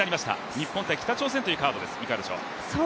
日本×北朝鮮というカード、いかがでしょうか。